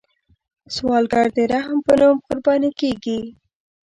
سوالګر د رحم په نوم قرباني کیږي